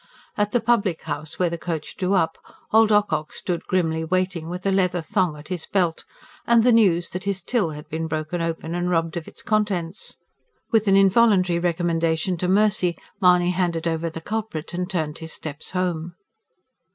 At the public house where the coach drew up, old Ocock stood grimly waiting, with a leather thong at his belt, and the news that his till had been broken open and robbed of its contents. With an involuntary recommendation to mercy, Mahony handed over the culprit and turned his steps home.